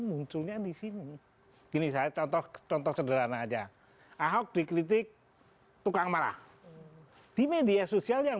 kan disini ini saya contoh contoh sederhana aja ahok di kritik tukang marah di media sosial yang